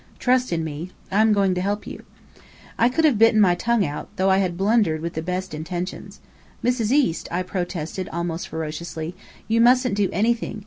Trust in me. I'm going to help you." I could have bitten my tongue out, though I had blundered with the best intentions. "Mrs. East," I protested almost ferociously, "you mustn't do anything.